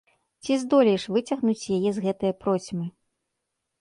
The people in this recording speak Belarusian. Ці здолееш выцягнуць яе з гэтае процьмы?